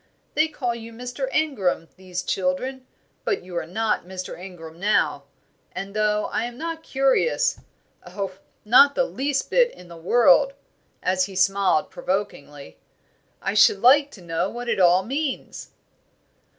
They call you Mr. Ingram, these children, but you are not Mr. Ingram now; and though I am not curious oh, not the least bit in the world!" as he smiled, provokingly; "I should like to know what it all means."